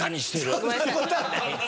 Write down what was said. そんな事はない。